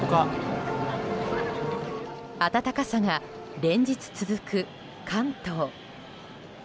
暖かさが連日続く関東。